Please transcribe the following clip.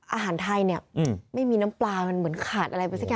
อาหารไทยเนี่ยไม่มีน้ำปลามันเหมือนขาดอะไรไปสักอย่าง